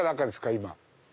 今。